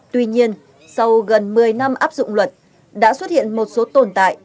tuy nhiên sau gần một mươi năm áp dụng luật đã xuất hiện một số tồn tại